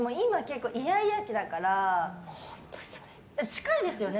近いですよね。